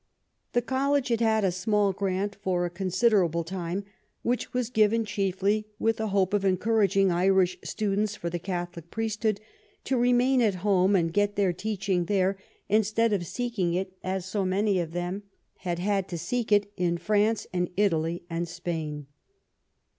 The Col lege had had a small grant for a considerable time, which was given chiefly with the hope of encouraging Irish students for the Catholic priest hood to remain at home and get their teaching there instead of seeking it, as so many of them had had to seek it, in France and Italy and Spain.